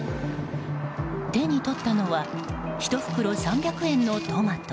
手に取ったのは１袋３００円のトマト。